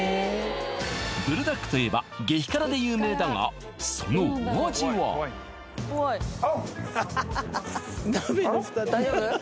ブルダックといえば激辛で有名だがそのお味は大丈夫？